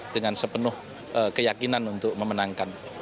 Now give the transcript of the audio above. dengan sepenuh keyakinan untuk memenangkan